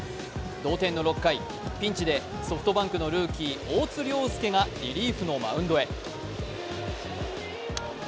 同点の６回、ピンチでソフトバンクのルーキー、大津亮介がリリーフのマウンドへ。